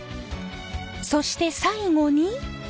そして最後に。